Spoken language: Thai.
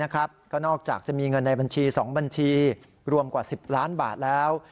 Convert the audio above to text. ก็นอกจากจะมีเงินในบัญชี๒บัญชีรวมกว่า๑๐ล้านบาทแล้ว